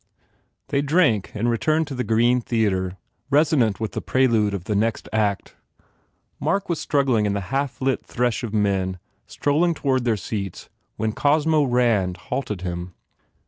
They drank and returned to the green theatre, resonant with the prelude of the next act. Mark was struggling in the half lit thresh of men strol ling toward their seats when Cosmo Rand halted him.